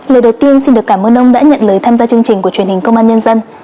lời đầu tiên xin được cảm ơn ông đã nhận lời tham gia chương trình của truyền hình công an nhân dân